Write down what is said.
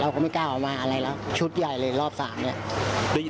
ก็ไม่กล้าออกมาอะไรแล้วชุดใหญ่เลยรอบสามเนี่ย